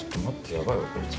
やばいわこいつ。